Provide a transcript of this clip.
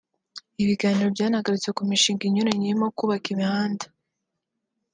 Ibi biganiro byanagarutse ku mishinga inyuranye irimo kubaka imihanda